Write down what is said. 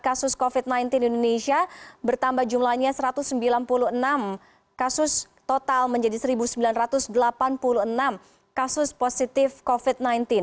kasus covid sembilan belas di indonesia bertambah jumlahnya satu ratus sembilan puluh enam kasus total menjadi satu sembilan ratus delapan puluh enam kasus positif covid sembilan belas